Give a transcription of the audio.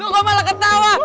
lu kok malah ketawa